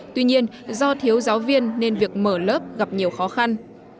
tuy nhiên do thiếu giáo viên nên việc mở lớp gặp nhiều khó khăn